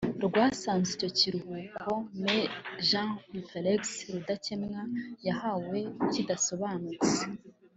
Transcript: rwasanze icyo kiruhuko Me Jean Felex Rudakemwa yahawe kidasobanutse